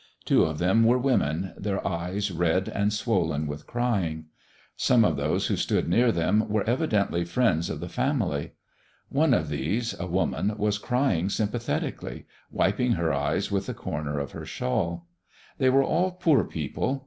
Two of them were women, their eyes red and swollen with crying. Some of those who stood near them were evidently friends of the family. One of these, a woman, was crying sympathetically, wiping her eyes with the corner of her shawl. They were all poor people.